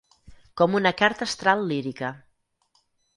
Com una carta astral lírica.